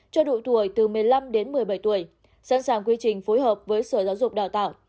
cho đội tuổi từ một mươi năm đến một mươi bảy tuổi sẵn sàng quy trình phối hợp với sở giáo dục đào tạo